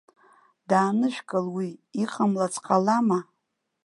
Даанышәкыл уи, иҟамлац ҟалама?